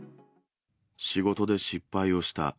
仕事で失敗をした。